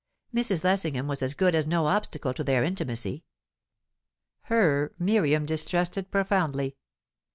Mrs. Lessingham was as good as no obstacle to their intimacy; her, Miriam distrusted profoundly.